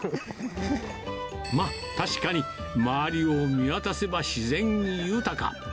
まあ、確かに周りを見渡せば、自然豊か。